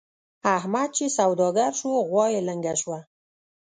احمد چې سوداګر شو؛ غوا يې لنګه شوه.